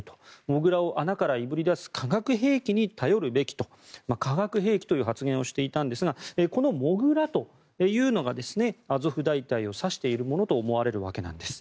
モグラを穴からいぶり出す化学兵器に頼るべきと化学兵器という発言をしていたんですがこのモグラというのがアゾフ大隊を指しているものと思われるわけなんです。